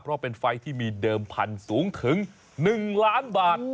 เพราะเป็นไฟล์ที่มีเดิมพันธุ์สูงถึง๑ล้านบาท